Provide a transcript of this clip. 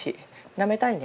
なめたいね